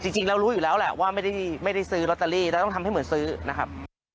จริงแล้วรู้อยู่แล้วแหละว่าไม่ได้ซื้อลอตเตอรี่แล้วต้องทำให้เหมือนซื้อนะครับ